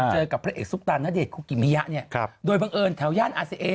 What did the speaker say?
เจอกับพระเอกซุปตาณเดชนคุกิมิยะเนี่ยโดยบังเอิญแถวย่านอาเซเอ